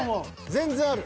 全然ある。